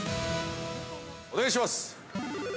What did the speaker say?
◆お願いします。